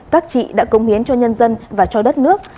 các chị đã cống hiến cho nhân dân và cho đất nước